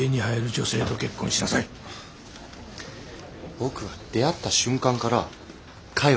僕は出会った瞬間からかよ